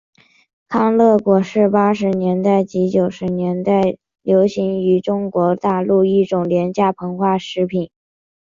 康乐果是八十年代及九十年代初流行于中国大陆一种廉价膨化食品。